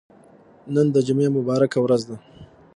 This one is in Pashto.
نن د جمعه مبارکه ورځ ده.